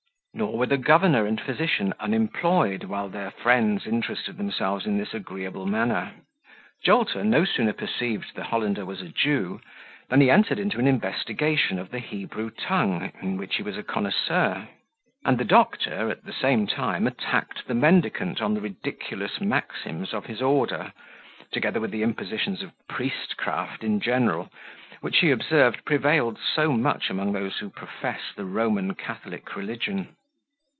Nor were the governor and physician unemployed, while their friends interested themselves in this agreeable manner. Jolter no sooner perceived the Hollander was a Jew, than he entered into an investigation of the Hebrew tongue, in which he was a connoisseur; and the doctor at the same time attacked the mendicant on the ridiculous maxims of his order, together with the impositions of priestcraft in general, which, he observed, prevailed so much among those who profess the Roman Catholic religion.